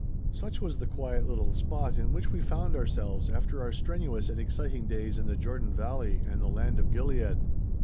Such was the quiet little spot in which we found ourselves after our strenuous and exciting days in the Jordan Valley and the Land of Gilead.